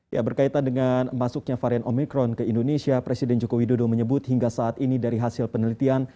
ya berkaitan dengan masuknya varian omikron ke indonesia presiden joko widodo menyebut hingga saat ini dari hasil penelitian